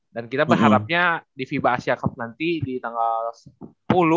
dan kita berharapnya di fiba asia cup nanti di tanggal sepuluh